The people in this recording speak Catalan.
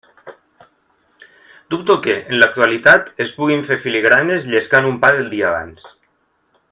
Dubto que, en l'actualitat, es puguin fer filigranes llescant un pa del dia abans.